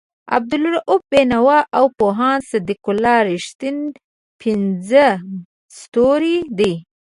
عبالرؤف بېنوا او پوهاند صدیق الله رښتین پنځم ستوری دی.